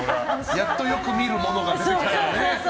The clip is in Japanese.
やっとよく見るものが出てきたね。